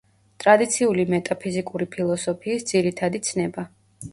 ტრადიციული მეტაფიზიკური ფილოსოფიის ძირითადი ცნება.